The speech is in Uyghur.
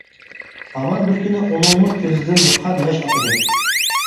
ھامان بىر كۈنى ئۇنىڭمۇ كۆزىدىن قان ياش ئاقىدۇ.